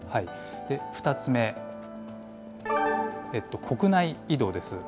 ２つ目、国内移動です。